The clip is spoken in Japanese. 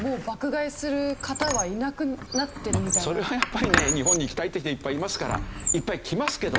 じゃあ例えばそれはやっぱりね日本に来たいって人いっぱいいますからいっぱい来ますけど。